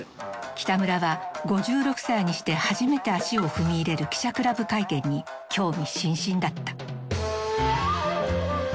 北村は５６歳にして初めて足を踏み入れる記者クラブ会見に興味津々だった。